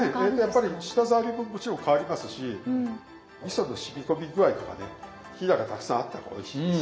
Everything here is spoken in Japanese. やっぱり舌触りももちろん変わりますしみそのしみこみ具合からねひだがたくさんあった方がおいしいです。